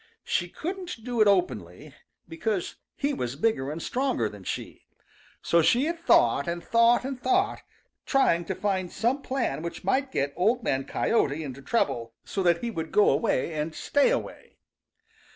She couldn't do it openly, because he was bigger and stronger than she, so she had thought and thought and thought, trying to find some plan which might get Old Man Coyote into trouble, so that he would go away and stay away.